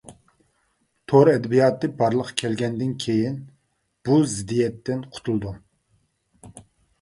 تور ئەدەبىياتى بارلىققا كەلگەندىن كېيىن بۇ زىددىيەتتىن قۇتۇلدۇم.